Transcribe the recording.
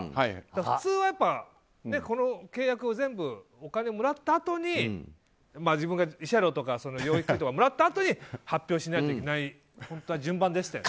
普通は、この契約を全部お金もらったあとに自分が慰謝料とか養育費とかもらったあとに発表しないといけない順番でしたよね。